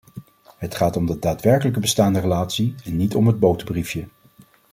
Het gaat om de daadwerkelijk bestaande relatie en niet om het boterbriefje.